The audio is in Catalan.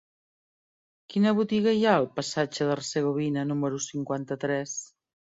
Quina botiga hi ha al passatge d'Hercegovina número cinquanta-tres?